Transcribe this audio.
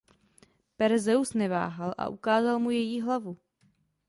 Perseus neváhal a ukázal mu její hlavu.